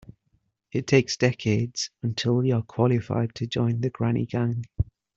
It takes decades until you're qualified to join the granny gang.